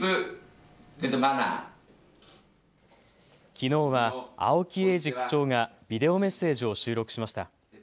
きのうは青木英二区長がビデオメッセージを収録しました。